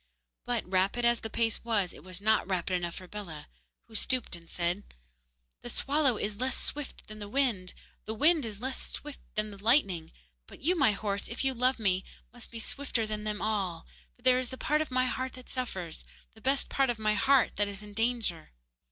But, rapid as the pace was, it was not rapid enough for Bellah, who stooped and said: 'The swallow is less swift than the wind, the wind is less swift than the lightning. But you, my horse, if you love me, must be swifter than them all, for there is a part of my heart that suffers the best part of my heart that is in danger.